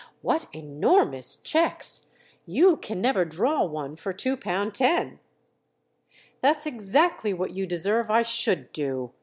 "What enormous cheques! You can never draw one for two pound ten!" "That's exactly what you deserve I should do!"